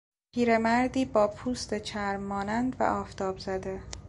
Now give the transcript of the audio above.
پیرمردی با پوست چرم مانند و آفتاب زده